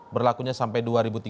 berlakunya sampai dua ribu tiga puluh